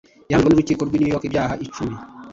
yahamijwe n’urukiko rw’i New York ibyaha icumi